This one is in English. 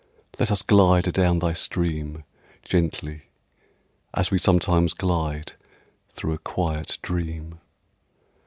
Let us glide adown thy stream Gently as we sometimes glide Through a quiet dream!